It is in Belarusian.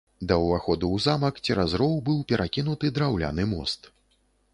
Да ўваходу ў замак цераз роў быў перакінуты драўляны мост.